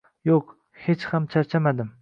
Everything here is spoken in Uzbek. Yo`q, hech ham charchamadim